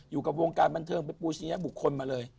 อยู่กับวงการบันเทิงเป็นปูชียบุคคลมาเลย